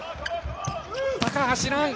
高橋藍。